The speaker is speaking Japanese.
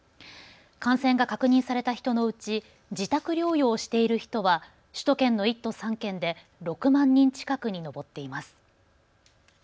感染が確認された人のうち自宅療養をしている人は首都圏の１都３県で６万人近くに上っています。